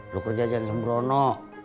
lo kerja jangan sembrono